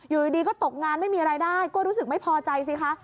อยู่ดีก็ตกงานไม่มีรายได้ก็รู้สึกไม่พอใจสิคะ